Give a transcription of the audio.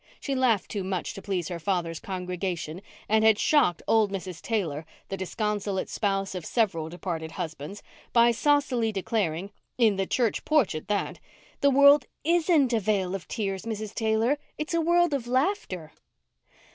She laughed too much to please her father's congregation and had shocked old Mrs. Taylor, the disconsolate spouse of several departed husbands, by saucily declaring—in the church porch at that—"The world isn't a vale of tears, Mrs. Taylor. It's a world of laughter."